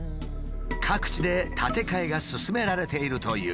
各地で建て替えが進められているという。